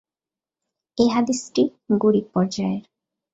এ হাদীসটি গরীব পর্যায়ের।